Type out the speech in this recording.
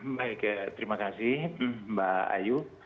baik ya terima kasih mbak ayu